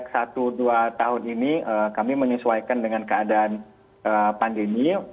satu dua tahun ini kami menyesuaikan dengan keadaan pandemi